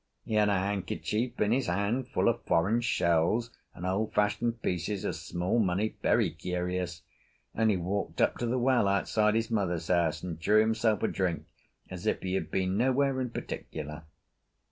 He had a handkerchief in his hand full of foreign shells and old fashioned pieces of small money, very curious, and he walked up to the well outside his mother's house and drew himself a drink as if he had been nowhere in particular.